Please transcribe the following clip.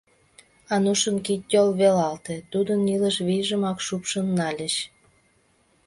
Анушын кид-йол велалте, тудын илыш вийжымак шупшын нальыч.